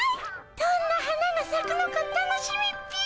どんな花がさくのか楽しみっピ。